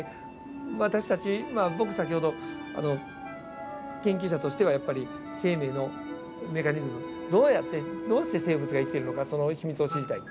私たち僕先ほど研究者としてはやっぱり生命のメカニズムどうやってどうして生物が生きているのかその秘密を知りたい。